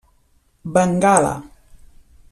Bengala.